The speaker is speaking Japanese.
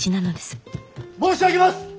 申し上げます！